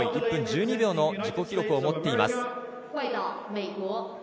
１分１２秒の自己記録を持っています。